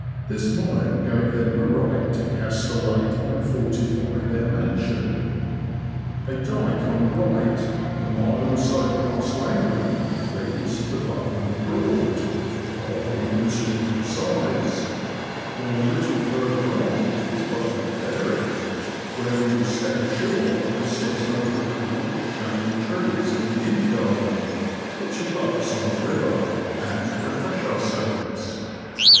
This monarch gave them the right to castellate and fortify their mansion. A dyke on the right, a mile or so past Langley, leads to Buckenham Broad (of inconsiderable size) ; while a little further on is Buckenham Ferry, where we will step ashore and sit under the cool, shady trees of the inn garden, which abuts on the river, and refresh ourselves.